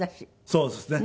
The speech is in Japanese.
そうですね。